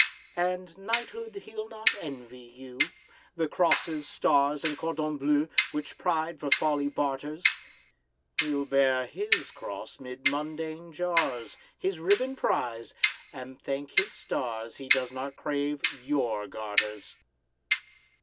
And knighthood he'll not envy you, The crosses, stars, and cordons bleus, Which pride for folly barters; He'll bear his cross 'mid mundane jars, His ribbon prize, and thank his stars He does not crave your garters!